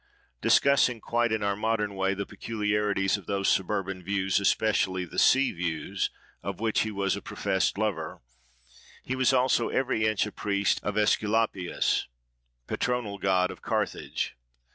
Discussing, quite in our modern way, the peculiarities of those suburban views, especially the sea views, of which he was a professed lover, he was also every inch a priest of Aesculapius, patronal god of Carthage.